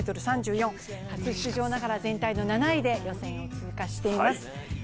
初出場ながら全体の７位で予選を通過しています。